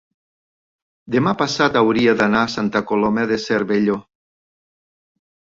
demà passat hauria d'anar a Santa Coloma de Cervelló.